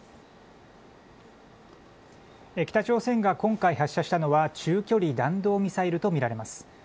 北朝鮮が今回発射したのは、中距離弾道ミサイルと見られます。